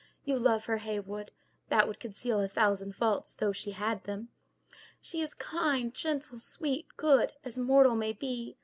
You love her, Heyward; that would conceal a thousand faults, though she had them. She is kind, gentle, sweet, good, as mortal may be.